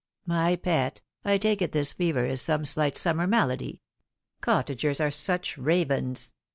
" My pet, I take it this fever is some slight summer malady. Cottagers are such ravens.